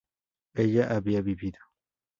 ella había vivido